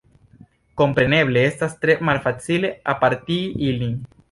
Kompreneble estas tre malfacile apartigi ilin.